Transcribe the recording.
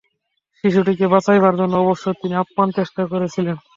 শিশুটিকে বাঁচাইবার জন্য অবশ্যই তিনি আপ্রাণ চেষ্টা করিবেন।